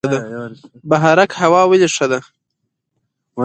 بهارک هوا ولې ښه ده؟